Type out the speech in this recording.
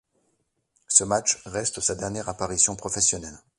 Ce match reste sa dernière apparition professionnelle.